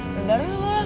bukan dari lo lah